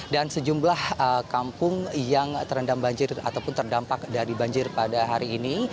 dan sejumlah kampung yang terendam banjir ataupun terdampak dari banjir pada hari ini